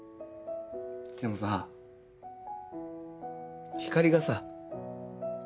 でもさひかりがさ